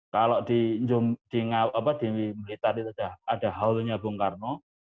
kalau di blitar itu ada halunya bung karno